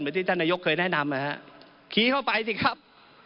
ที่ท่านนายกเคยแนะนำนะฮะขี่เข้าไปสิครับ